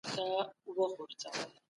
افغانانو د خپلو وسلو ساتنه وکړه.